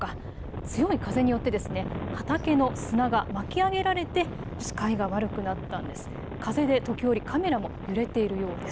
強い風によって畑の砂が巻き上げられて視界が悪くなったんです。